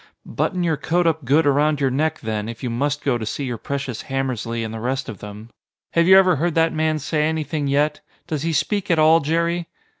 "Button your coat up good around your neck, then, if you must go to see your precious Hammersly and the rest of them. Have you ever heard that man say anything yet? Does he speak at all, Jerry?"